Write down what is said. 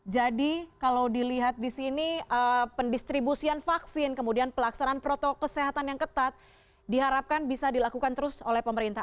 jadi kalau dilihat di sini pendistribusian vaksin kemudian pelaksanaan protokol kesehatan yang ketat diharapkan bisa dilakukan terus oleh pemerintah